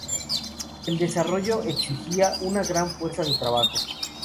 El desarrollo exigía una gran fuerza de trabajo.